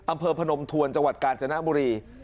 พนมทวนจังหวัดกาญจนบุรี